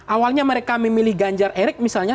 awalnya mereka memilih ganjar erick misalnya